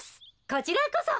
こちらこそ。